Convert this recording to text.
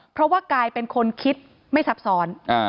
เพราะว่ากลายเป็นคนคิดไม่ซับซ้อน